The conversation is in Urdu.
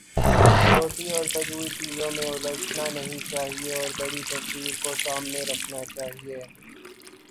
چھوٹی اور فضول چیزوں میں الجھنا نہیں چاہیے اور بڑی تصویر کو سامنے رکھنا چاہیے۔